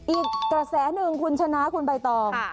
อีกกระแสหนึ่งคุณชนะคุณใบตอง